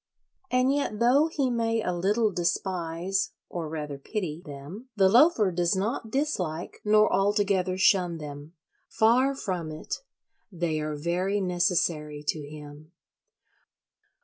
And yet though he may a little despise (or rather pity) them, the Loafer does not dislike nor altogether shun them. Far from it: they are very necessary to him.